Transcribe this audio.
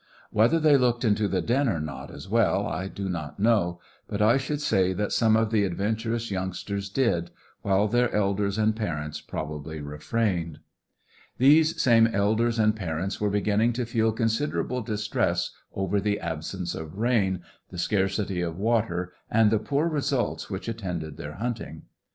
Whether they looked into the den or not, as well, I do not know; but I should say that some of the adventurous youngsters did, while their elders and parents probably refrained. These same elders and parents were beginning to feel considerable distress over the absence of rain, the scarcity of water, and the poor results which attended their hunting.